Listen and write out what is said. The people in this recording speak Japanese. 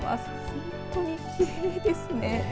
本当にきれいですね。